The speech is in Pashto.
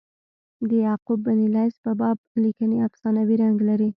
د یعقوب بن لیث په باب لیکني افسانوي رنګ لري.